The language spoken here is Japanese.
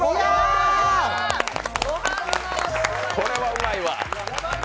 これはうまいわ。